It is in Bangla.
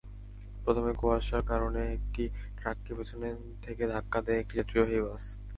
প্রথমে কুয়াশায় কারণে একটি ট্রাককে পেছন থেকে ধাক্কা দেয় একটি যাত্রীবাহী বাস।